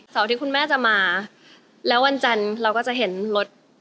ที่คุณแม่จะมาแล้ววันจันทร์เราก็จะเห็นรถ